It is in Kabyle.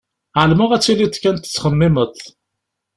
Ԑelmeɣ ad tiliḍ kan tettxemmimeḍ.